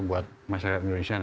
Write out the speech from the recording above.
buat masyarakat indonesia